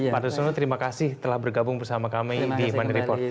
pak tusono terima kasih telah bergabung bersama kami di bander report